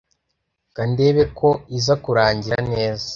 Kandebe ko iza kurangira neza